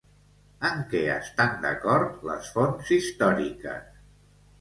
En què estan d'acord les fonts històriques?